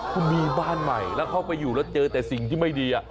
คุณมีบ้านใหม่แล้วเข้าไปอยู่แล้วเจอแต่สิ่งที่ไม่ดี